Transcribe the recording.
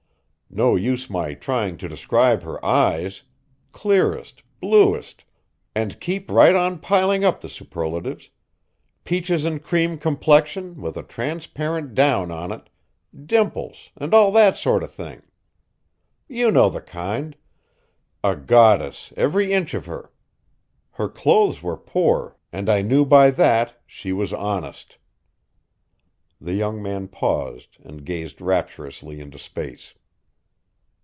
No use my trying to describe her eyes, clearest, bluest and keep right on piling up the superlatives peaches and cream complexion with a transparent down on it, dimples and all that sort of thing. You know the kind a goddess every inch of her. Her clothes were poor and I knew by that she was honest." The young man paused and gazed rapturously into space.